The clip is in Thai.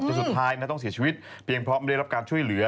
สุดท้ายต้องเสียชีวิตเพียงเพราะไม่ได้รับการช่วยเหลือ